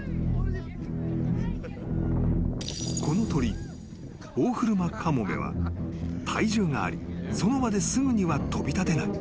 ［この鳥オオフルマカモメは体重がありその場ですぐには飛び立てない］